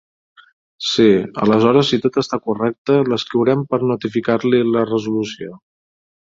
Sí, aleshores si tot està correcte l'escriurem per notificar-li la resolució.